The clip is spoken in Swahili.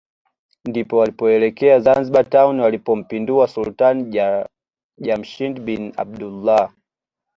ndipo walipoelekea Zanzibar Town walipompindua Sultani Jamshid bin Abdullah